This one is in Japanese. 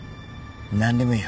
何でもいい。